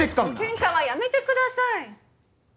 ケンカはやめてください！